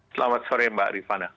selamat sore mbak rifana